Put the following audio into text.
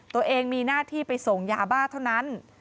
ตัวเองมีหน้าที่ไปส่งยาบ้าเท่านั้น